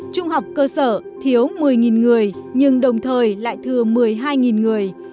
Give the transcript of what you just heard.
trung học cơ sở thiếu một mươi người nhưng đồng thời lại thừa một mươi hai người